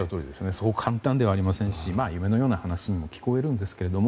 そう簡単ではありませんし夢のような話にも聞こえるんですけれども。